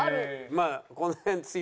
まあこの辺強い。